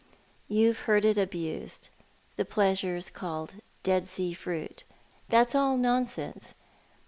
You've heard it abused — its pleasures called Dead Sea fruit. That's all nonsense.